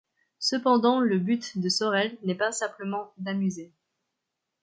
Cependant le but de Sorel n’est pas simplement d’amuser.